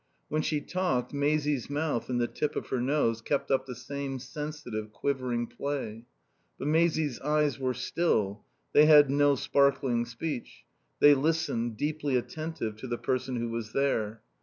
When she talked Maisie's mouth and the tip of her nose kept up the same sensitive, quivering play. But Maisie's eyes were still; they had no sparkling speech; they listened, deeply attentive to the person who was there.